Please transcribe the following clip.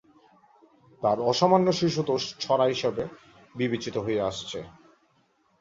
তার অসামান্য শিশুতোষ ছড়া হিসেবে বিবেচিত হয়ে আসছে।